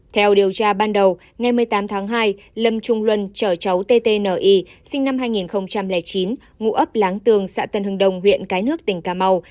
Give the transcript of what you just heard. theo điều tra ban đầu ngày một mươi tám tháng hai lâm trung luân chở cháu tti sinh năm hai nghìn chín ngụ ấp láng tường xã tân hưng đồng huyện cái nước tỉnh cà mau